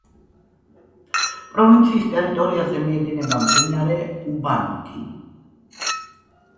პროვინციის ტერიტორიაზე მიედინება მდინარე უბანგი.